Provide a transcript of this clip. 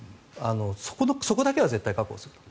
そこだけは絶対確保すると。